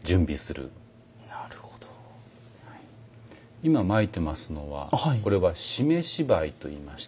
今まいてますのはこれは湿し灰と言いまして。